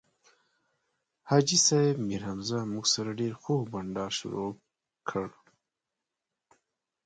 حاجي صیب میرحمزه موږ سره ډېر خوږ بنډار شروع کړ.